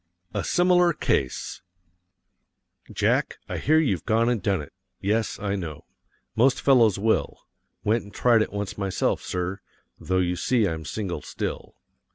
A SIMILAR CASE Jack, I hear you've gone and done it. Yes, I know; most fellows will; went and tried it once myself, sir, though you see I'm single still.